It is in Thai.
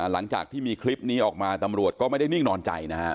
หลังจากที่มีคลิปนี้ออกมาตำรวจก็ไม่ได้นิ่งนอนใจนะฮะ